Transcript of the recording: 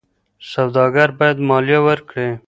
سوداګر باید مالیه ورکړي.